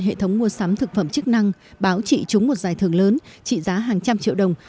hệ thống mua sắm thực phẩm chức năng báo chị trúng một giải thưởng lớn trị giá hàng trăm triệu đồng